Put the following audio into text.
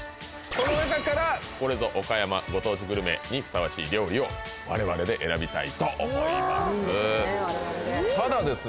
この中からこれぞ岡山ご当地グルメにふさわしい料理を我々で選びたいと思いますただですね